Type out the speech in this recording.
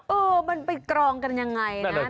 เออมันไปกรองกันยังไงนะ